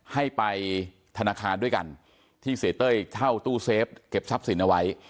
ให้ไปธนาคารด้วยกันที่เสียเต้ยเช่าตู้เซฟเก็บทรัพย์สินเอาไว้